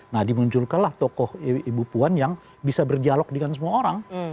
nah dimunculkanlah tokoh ibu puan yang bisa berdialog dengan semua orang